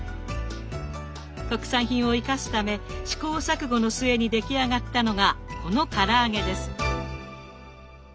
特産品を生かすため試行錯誤の末に出来上がったのがこのから揚げです。